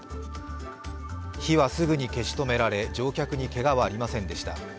火はすぐに消し止められ、乗客にけがはありませんでした。